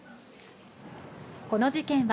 この事件は、